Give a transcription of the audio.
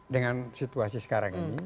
dengan situasi sekarang ini